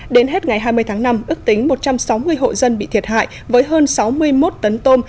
đến hết ngày hai mươi tháng năm ước tính một trăm sáu mươi hộ dân bị thiệt hại với hơn sáu mươi một tấn tôm